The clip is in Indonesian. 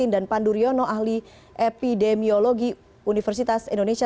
dan panduryono ahli epidemiologi universitas indonesia